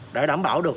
để đảm bảo được